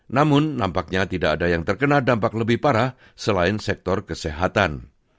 namun nampaknya tidak ada yang terkena dampak lebih parah selain sektor kesehatan